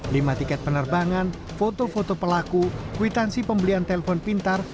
lima tiket penerbangan foto foto pelaku kwitansi pembelian telpon pintar